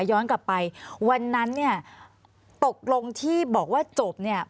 ย้อนกลับไปวันนั้นตกลงที่บอกว่าจบ